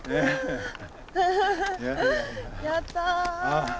やった！